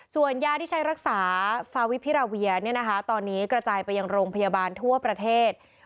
ส่วนยาที่ใช้รักษาฟาวิพิราเวียตอนนี้กระจายไปยังโรงพยาบาลทั่วประเทศ